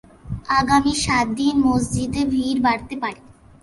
আগামী সাত দিন মসজিদে ভিড় বাড়তে পারে।